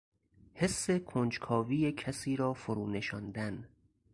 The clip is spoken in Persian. حس کنجکاوی کسی را فرونشاندن